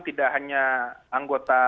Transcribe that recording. tidak hanya anggota